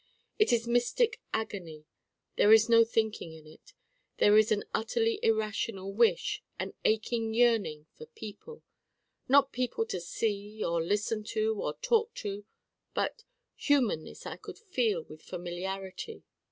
It is mystic agony. There is no thinking in it. There is an utterly irrational wish, an aching yearning for people: not people to see, or listen to, or talk to, but humanness I could feel with familiarity.